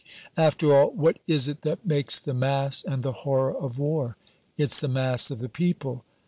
"After all, what is it that makes the mass and the horror of war?" "It's the mass of the people."